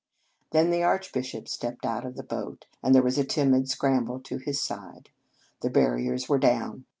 Then the Archbishop stepped out of the boat, and there was a timid scramble to his side. The barriers were down.